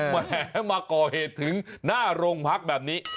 แหมมาก่อเหตุถึงหน้าโรงพักแบบนี้